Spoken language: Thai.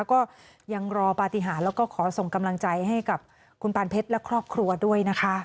ก็ยังรอปฏิหารแล้วก็ขอส่งกำลังใจให้กับคุณปานเพชรและครอบครัวด้วยนะคะ